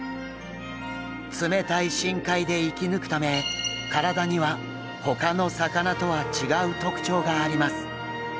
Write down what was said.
冷たい深海で生き抜くため体にはほかの魚とは違う特徴があります。